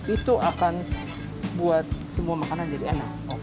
itu akan buat semua makanan jadi enak